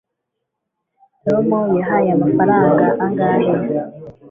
tom wahaye amafaranga angahe